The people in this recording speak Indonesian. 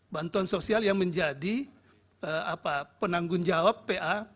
bantuan sosial yang menjadi penanggung jawab pa